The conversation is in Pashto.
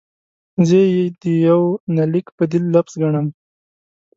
زه یې د یونلیک بدیل لفظ ګڼم.